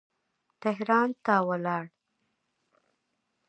تهران ته ولاړ.